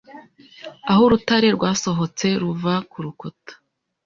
Aho urutare rwasohotse ruva kurukuta